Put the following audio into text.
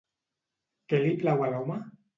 Què li plau a l'home?